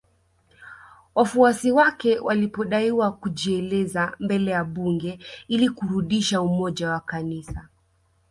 Wafuasi wake walipodaiwa kujieleza mbele ya Bunge ili kurudisha umoja wa kanisa